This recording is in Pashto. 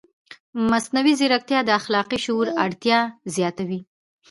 مصنوعي ځیرکتیا د اخلاقي شعور اړتیا زیاتوي.